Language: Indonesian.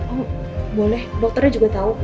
oh boleh dokternya juga tahu